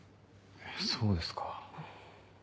そうですか。